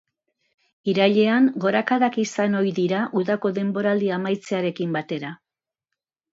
Irailean gorakadak izan ohi dira udako denboraldia amaitzearekin batera.